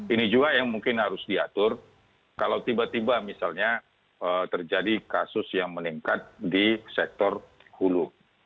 ini juga yang mungkin harus diatur kalau tiba tiba misalnya terjadi kasus yang meningkat di sektor hulu